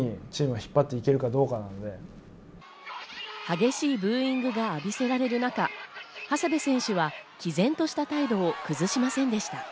激しいブーイングが浴びせられる中、長谷部選手は毅然とした態度を崩しませんでした。